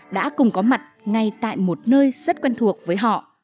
đã cùng có mặt ngay tại một nơi rất quen thuộc với họ